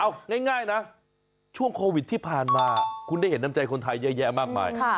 เอาง่ายนะช่วงโควิดที่ผ่านมาคุณได้เห็นน้ำใจคนไทยเยอะแยะมากมาย